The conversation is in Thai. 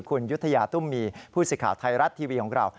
คุณยุธยาตุ้มมีผู้สิทธิ์ไทยรัฐทีวีของเรา